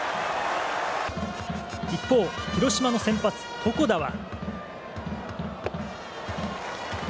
一方、広島の先発、床田は。